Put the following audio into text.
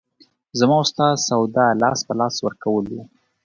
زما او ستا سودا لاس په لاس ورکول وو.